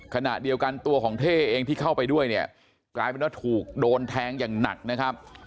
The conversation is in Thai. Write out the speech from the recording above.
ขณะเดียวกันตัวของเท่เองที่เข้าไปด้วยเนี่ยกลายเป็นว่าถูกโดนแทงอย่างหนักนะครับ